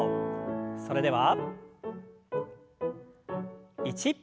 それでは１。